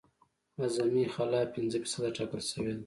اعظمي خلا پنځه فیصده ټاکل شوې ده